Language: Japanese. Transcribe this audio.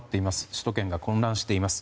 首都圏が混乱しています。